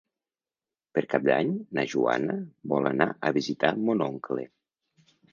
Per Cap d'Any na Joana vol anar a visitar mon oncle.